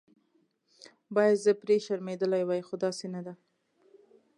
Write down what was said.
باید زه پرې شرمېدلې وای خو داسې نه ده.